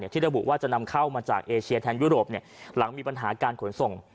ที่ระบุว่าจะนำเข้ามาจากเอเชียแทนยุโรปหลังมีปัญหาการขนส่ง